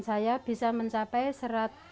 saya ingin tahu mengapa itu